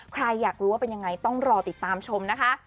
ใครอยากรู้ว่าเป็นยังไงต้องรอติดตามชมนะคะ